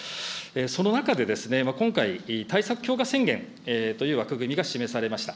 その中で、今回、対策強化宣言という枠組みが示されました。